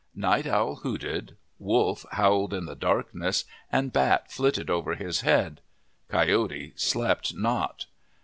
Night Owl hooted, Wolf howled in the darkness, and Bat flitted over his head. Coyote slept not.